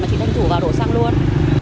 thì chị thân thủ vào đổ xăng luôn